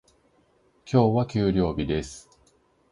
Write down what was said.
今日は給料日です。